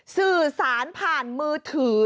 สื่อสารผ่านมือถือ